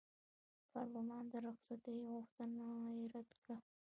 پارلمان د رخصتۍ غوښتنه یې رد کړه.